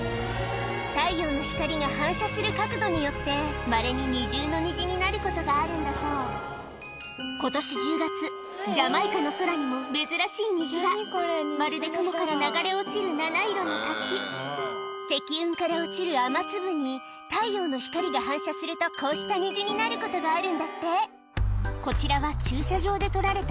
太陽の光が反射する角度によってまれに二重の虹になることがあるんだそう今年１０月ジャマイカの空にも珍しい虹がまるで雲から流れ落ちる七色の滝積雲から落ちる雨粒に太陽の光が反射するとこうした虹になることがあるんだってこちらは駐車場で撮られた